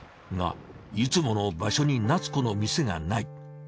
がいつもの場所に夏子の店がない。